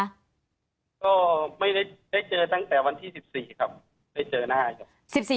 ก็ไม่ได้เจอตั้งแต่วันที่๑๔ครับได้เจอหน้าครับ